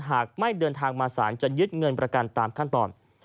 หากไม่เดินทางมาสารจะยึดเงินประกันตามขั้นตอน